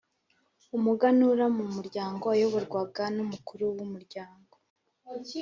Umuganura mu muryango, wayoborwaga n’umukuru w’umuryango.